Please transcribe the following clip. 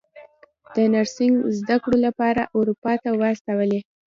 د نرسنګ زده کړو لپاره اروپا ته واستولې.